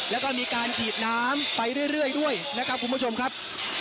แล้วก็มีการฉีดน้ำไปเรื่อยด้วยนะครับคุณผู้ชมครับ